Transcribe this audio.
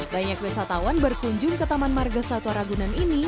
banyak wisatawan berkunjung ke taman marga satwa ragunan ini